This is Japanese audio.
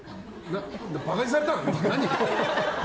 バカにされたの？